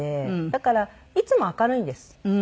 だからいつも明るいんです。